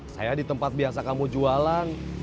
saya di tempat biasa kamu jualan